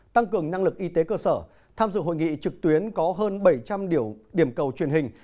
tăng cường năng lực y tế cơ sở tham dự hội nghị trực tuyến có hơn bảy trăm linh điểm cầu truyền hình